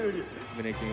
胸キュン